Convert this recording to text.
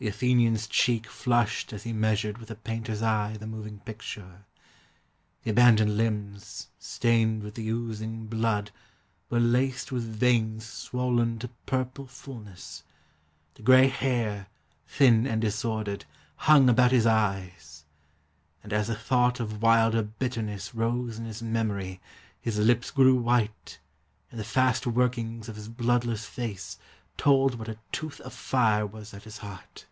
The Athenian's cheek Flushed as he measured with a painter's eye The moving picture. The abandoned limbs, Stained with the oozing blood, were laced with veins Swollen to purple fulness; the gray hair, Thin and disordered, hung about his eyes; And as a thought of wilder bitterness Rose in his memory, his lips grew white, And the fast workings of his bloodless face Told what a tooth of fire was at his heart.